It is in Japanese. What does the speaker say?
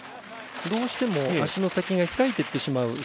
どうしても足の先が開いていってしまう。